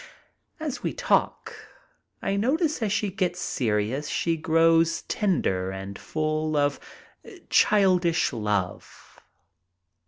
As we talk I notice as she gets serious she grows tender and full of childish love.